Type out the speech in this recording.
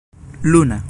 luna